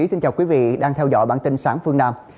xin chào quý vị đang theo dõi bản tin sáng phương nam